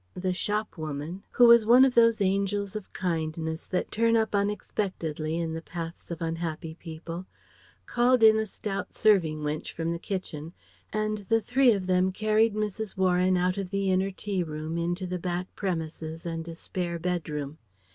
The shop woman, who was one of those angels of kindness that turn up unexpectedly in the paths of unhappy people, called in a stout serving wench from the kitchen, and the three of them carried Mrs. Warren out of the inner tea room into the back premises and a spare bedroom.